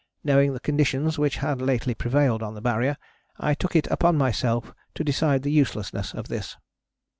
Knowing the conditions which had lately prevailed on the Barrier, I took it upon myself to decide the uselessness of this."